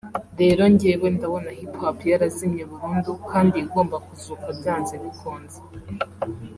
rero njyewe ndabona hip hop yarazimye burundu kandi igomba kuzuka byanze bikunze